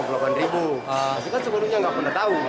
tapi kan sebelumnya nggak pernah tahu